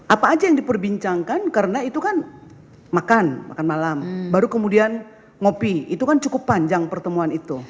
apa aja yang diperbincangkan karena itu kan makan makan malam baru kemudian ngopi itu kan cukup panjang pertemuan itu